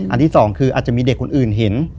ที่สองคืออาจจะมีเด็กคนอื่นเห็น